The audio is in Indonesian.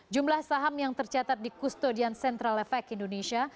jumlah saham yang tercatat di kustodian central effect indonesia